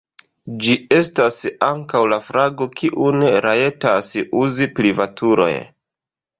Ĝi estas ankaŭ la flago kiun rajtas uzi privatuloj.